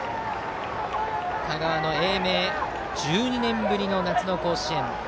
香川の英明１２年ぶりの夏の甲子園。